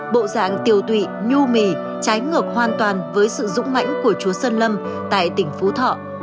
bộ dạng tiều tụy nhu mì trái ngược hoàn toàn với sự dũng mãnh của chúa sơn lâm tại tỉnh phú thọ